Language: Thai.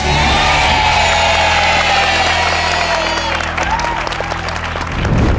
อีก